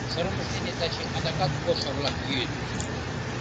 Сырымышт дене таче адакат ошо-влак йӱыт.